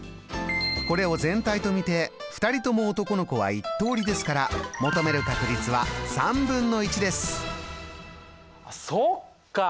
これを全体とみて２人とも男の子は１通りですから求める確率はあそっか。